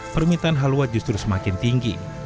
permintaan halua justru semakin tinggi